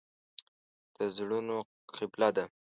د زړونو قبله ده.